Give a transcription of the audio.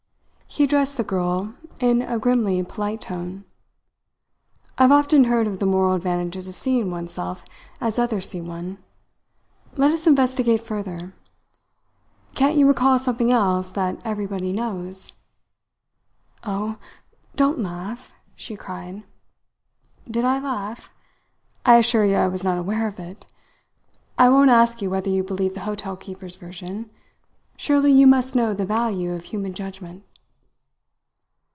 he addressed the girl in a grimly polite tone. "I've often heard of the moral advantages of seeing oneself as others see one. Let us investigate further. Can't you recall something else that everybody knows?" "Oh! Don't laugh!" she cried. "Did I laugh? I assure you I was not aware of it. I won't ask you whether you believe the hotel keeper's version. Surely you must know the value of human judgement!"